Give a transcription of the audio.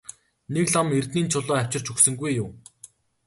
Нэг лам эрдэнийн чулуу авчирч өгсөнгүй юу?